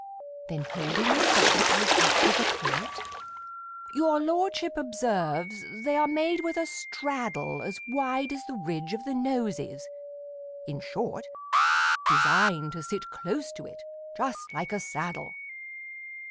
Then holding the spectacles up to the court Your lordship observes they are made with a straddle As wide as the ridge of the Nose is; in short, Designed to sit close to it, just like a saddle.